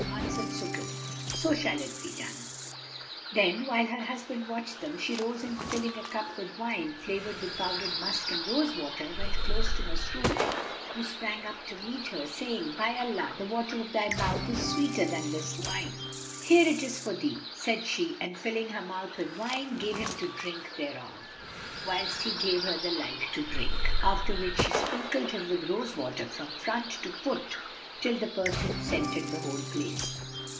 Answered Sukub, "So shall it be done." Then, while her husband watched them, she rose and filling a cup with wine, flavoured with powdered musk and rose water, went close to Masrur, who sprang up to meet her, saying, "By Allah, the water of thy mouth is sweeter than this wine!" "Here it is for thee," said she and filling her mouth with wine, gave him to drink thereof, whilst he gave her the like to drink; after which she sprinkled him with rose water from front to foot, till the perfume scented the whole place.